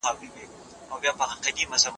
چي په کلي کي غوايي سره په جنګ سي